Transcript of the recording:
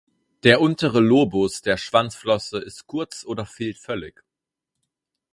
Der untere Lobus der Schwanzflosse ist kurz oder fehlt völlig.